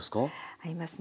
合いますね。